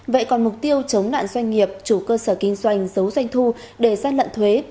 vậy còn mục tiêu chống nạn doanh nghiệp chủ cơ sở kinh doanh giấu doanh thu để gian lận thuế